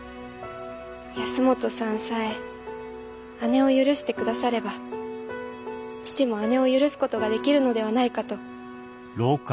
保本さんさえ姉を許して下されば父も姉を許す事ができるのではないかと。